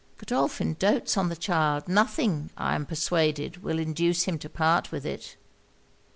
'Godolphin doats on the child. Nothing, I am persuaded, will induce him to part with it.'